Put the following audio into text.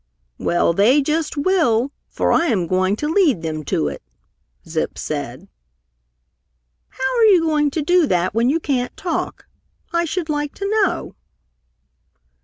"Well, they just will, for I am going to lead them to it!" Zip said. "How are you going to do that when you can't talk, I should like to know?"